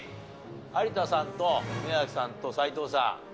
有田さんと宮崎さんと斎藤さん。